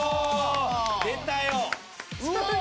出たよ。